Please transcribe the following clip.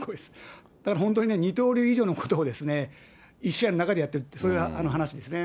だから本当に二刀流以上のことを、１試合の中でやってる、そういう話ですね。